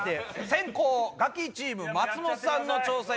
先攻ガキチーム松本さんの挑戦